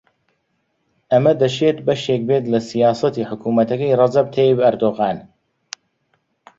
ئەمە دەشێت بەشێک بێت لە سیاسەتی حکوومەتەکەی ڕەجەب تەیب ئەردۆغان